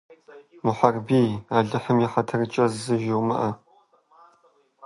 Мухьэрбий, Алыхьым и хьэтыркӀэ, зы жумыӀэ.